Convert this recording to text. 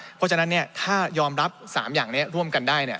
เพราะฉะนั้นเนี่ยถ้ายอมรับสามอย่างเนี่ยร่วมกันได้เนี่ย